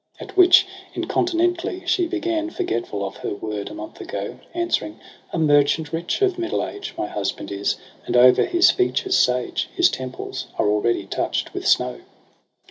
At which incontinently she began. Forgetful of her word a month ago. Answering ' A merchant rich, of middle age. My husband is ; and o'er his features sage His temples are already touch'd with snow.